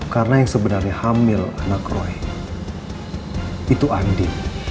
karena yang sebenarnya hamil anak roy itu andi